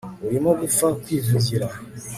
urimo gupfa kwivugira!